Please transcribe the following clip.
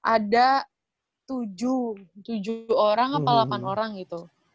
ada tujuh tujuh orang apa lapan orang gitu